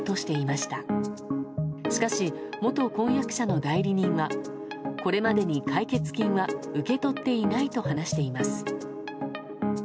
しかし、元婚約者の代理人はこれまでに解決金は受け取っていないと話しています。